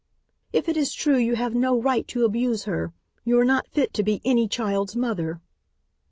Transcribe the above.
"If it is true, you have no right to abuse her you are not fit to be any child's mother."